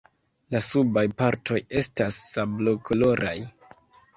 La subaj partoj estas sablokoloraj.